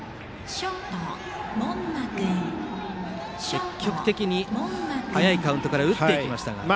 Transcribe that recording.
積極的に、早いカウントから打っていきました。